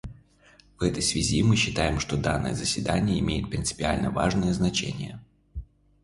В этой связи мы считаем, что данное заседание имеет принципиально важное значение.